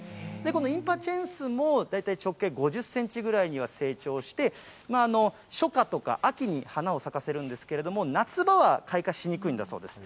このインパチェンスも、大体直径５０センチぐらいには成長して、初夏とか秋に花を咲かせるんですけれども、夏場は開花しにくいんだそうです。